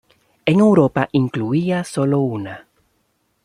En Europa incluía sólo una.